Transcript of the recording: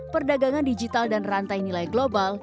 perdagangan digital dan rantai nilai global